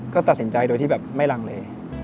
ก็ตัดสินใจโดยที่แบบไม่ลังเล